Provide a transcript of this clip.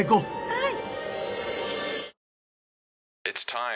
はい。